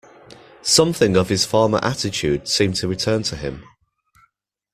Something of his former attitude seemed to return to him.